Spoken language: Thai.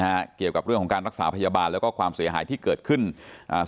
เกี่ยวกับเรื่องของการรักษาพยาบาลแล้วก็ความเสียหายที่เกิดขึ้นอ่า